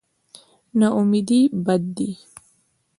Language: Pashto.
نااميدي بد دی.